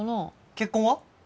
結婚は？